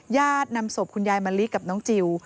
ญาตินำศพคุณยายมะลิกับน้องจิล